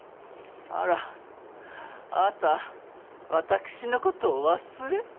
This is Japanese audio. あらあなた私のことお忘れ？